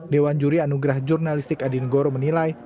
dewan juri anugerah jurnalistik adi nugoro menilai